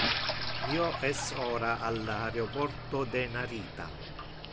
Io es ora al aeroporto de Narita.